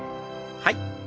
はい。